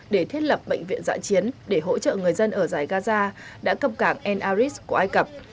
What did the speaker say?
để thiết lập bệnh viện dạ chiến để hỗ trợ người dân ở giải gaza đã cập cảng en aris của ai cập